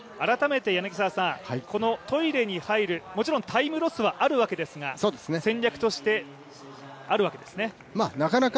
改めて、このトイレに入る、もちろんタイムロスはあるわけですが戦略としてあるわけですね。